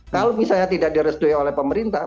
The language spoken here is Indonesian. kalau misalnya tidak direstui oleh pemerintah